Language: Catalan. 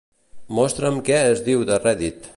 Mostra'm què es diu a Reddit.